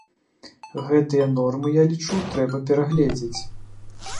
Гэтыя нормы, я лічу, трэба перагледзець.